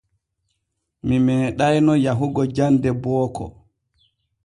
Mi meeɗayno yahugo jande booko.